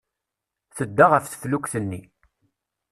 Tedda ɣef teflukt-nni.